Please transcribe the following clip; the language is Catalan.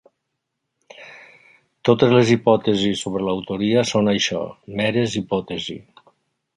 Totes les hipòtesis sobre l'autoria són això, meres hipòtesis.